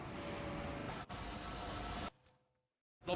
ลมญาตินานพ่อครับ